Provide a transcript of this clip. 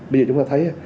bây giờ chúng ta thấy